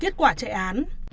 và kết quả chạy án